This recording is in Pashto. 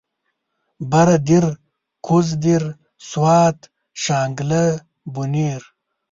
بره دير کوزه دير سوات شانګله بونير